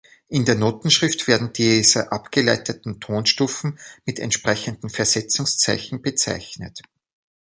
In der Notenschrift werden diese abgeleiteten Tonstufen mit entsprechenden Versetzungszeichen bezeichnet.